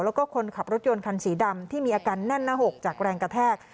แล้วก็คนขับรถยนต์คันสีดำที่มีอาการแน่นหน้าหกจากแรงกระแทก